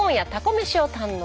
めしを堪能。